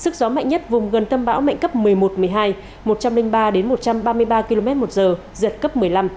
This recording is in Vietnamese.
sức gió mạnh nhất vùng gần tâm bão mạnh cấp một mươi một một mươi hai một trăm linh ba một trăm ba mươi ba km một giờ giật cấp một mươi năm